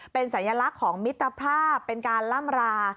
เป็นสัญลักษณ์ของมิตรภาพเป็นการล่ำรา